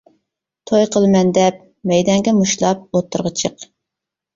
توي قىلىمەن دەپ مەيدەڭگە مۇشتلاپ ئوتتۇرىغا چىق.